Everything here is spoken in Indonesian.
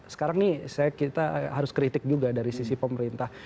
sekarang nih saya kira harus kritik juga dari sisi pemerintah